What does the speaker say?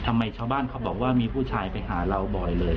ทำไมชาวบ้านเขาบอกว่ามีผู้ชายไปหาเราบ่อยเลย